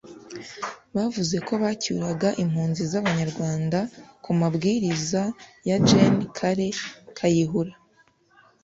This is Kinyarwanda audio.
bavuze ko bacyuraga impunzi z’Abanyarwanda ku mabwiriza ya Gen Kale Kayihura